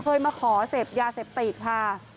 เคยมาขอเสพยาเสพติดค่ะ